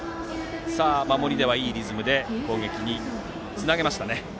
守りではいいリズムで攻撃につなげました。